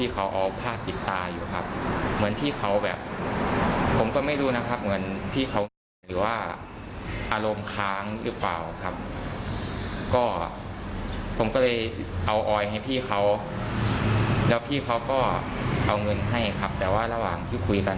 เขาก็เอาเงินให้ครับแต่ว่าระหว่างที่คุยกัน